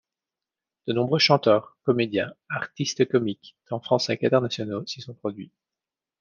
De nombreux chanteurs, comédiens, artistes comiques, tant français qu'internationaux, s'y sont produits.